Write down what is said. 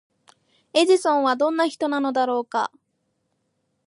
エジソンはどんな人なのだろうか？